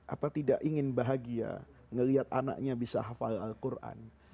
apa tidak ingin bahagia melihat anaknya bisa hafal al quran